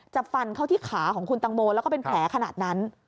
ฟันเข้าที่ขาของคุณตังโมแล้วก็เป็นแผลขนาดนั้น